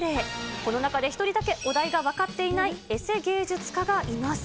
この中で１人だけお題が分かっていないエセ芸術家がいます。